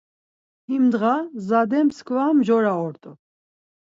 Him ndğa zade msǩva mcora ort̆u.